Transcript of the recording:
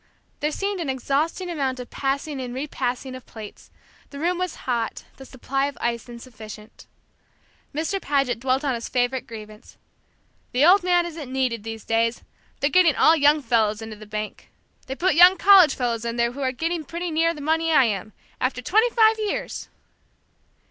There seemed an exhausting amount of passing and repassing of plates. The room was hot, the supply of ice insufficient. Mr. Paget dwelt on his favorite grievance "the old man isn't needed, these days. They're getting all young fellows into the bank. They put young college fellows in there who are getting pretty near the money I am after twenty five years!"